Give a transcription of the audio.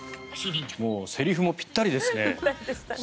セリフもぴったりですね。